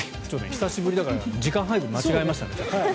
久しぶりだから時間配分、間違えましたね。